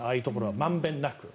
満遍なく。